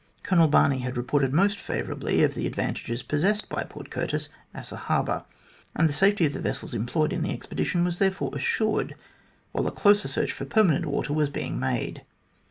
Colonel Barney had reported most favourably of the advantages possessed by Port Curtis as a harbour, and the safety of the vessels employed in the expedi tion was therefore assured while a closer search for permanent water was being made.